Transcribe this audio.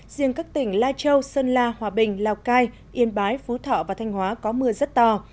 riêng các tỉnh lai châu sơn la hòa bình lào cai yên bái phú thọ và thanh hóa có mưa rất to